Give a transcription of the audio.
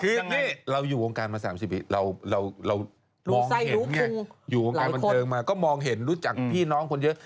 คือที่เราอยู่โรงการมา๓๐ปีเรามองเห็นเนี่ยอยู่โรงการบันเติมมาก็มองเห็นรู้จักพี่น้องคนเยอะ